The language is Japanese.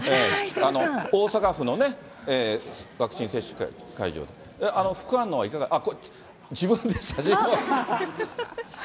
大阪府のワクチン接種会場、副反応はいかがですか？